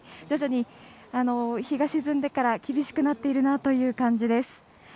徐々に日が沈んでから厳しくなっているなという感じです。